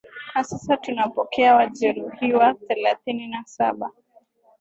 na sasa tunapokea wajeruhiwa thelathini na saba